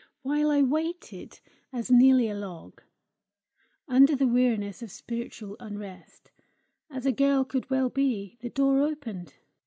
While I waited, as nearly a log, under the weariness of spiritual unrest, as a girl could well be, the door opened.